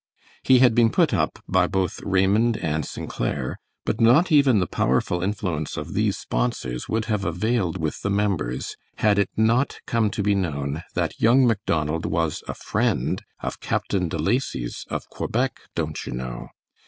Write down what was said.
He had been put up by both Raymond and St. Clair, but not even the powerful influence of these sponsors would have availed with the members had it not come to be known that young Macdonald was a friend of Captain De Lacy's of Quebec, don't you know!